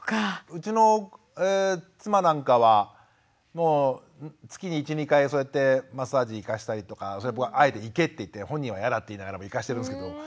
うちの妻なんかはもう月に１２回そうやってマッサージ行かしたりとかあえて行けって言って本人は嫌だって言いながらも行かしてるんですけど。